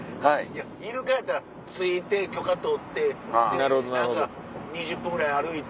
イルカやったら着いて許可取って何か２０分ぐらい歩いて。